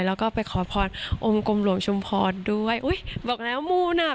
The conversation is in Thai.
แล้วก็ไปขอพรอมกรมรวมชมพรด้วยอุ้ยบอกแล้วมูหนัก